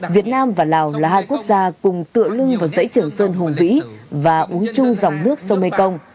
việt nam và lào là hai quốc gia cùng tựa lưng vào giấy trưởng dân hùng vĩ và uống chung dòng nước sâu mê công